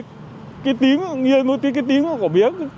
cái tiếng nghe cái tiếng của bé